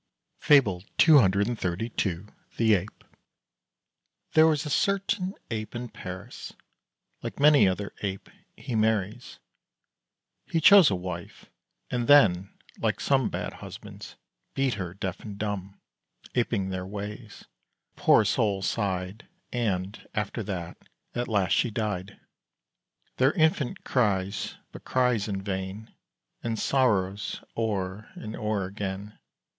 FABLE CCXXXII. THE APE. There was a certain Ape in Paris: Like many another Ape, he marries. He chose a wife; and then, like some Bad husbands, beat her deaf and dumb Aping their ways. The poor soul sighed, And, after that, at last she died. Their infant cries, but cries in vain, And sorrows, o'er and o'er again.